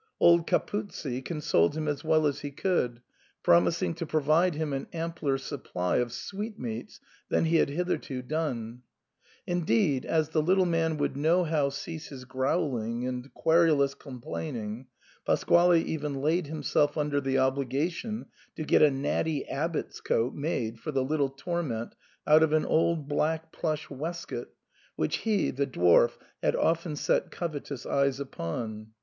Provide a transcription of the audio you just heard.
Old Capuzzi consoled him as well as he could, promising to provide him an ampler supply of sweetmeats than he had hitherto done ; indeed, as the little man would nohow cease his growling and querulous complaining, Pas quale even laid himself under the obligation to get a natty abbot's coat made for the little torment out of an old black plush waistcoat which he (the dwarf) had often set covetous eyes upon.